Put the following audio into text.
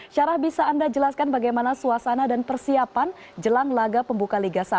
syarah bisa anda jelaskan bagaimana suasana dan persiapan jelang laga pembuka liga satu